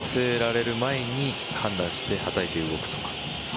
寄せられる前に判断してはたいて動くとか。